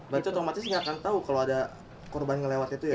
berarti otomatis nggak akan tahu kalau ada korban ngelewat itu ya